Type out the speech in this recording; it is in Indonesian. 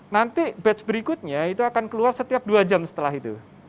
nanti batch berikutnya itu akan keluar setiap dua jam setelah itu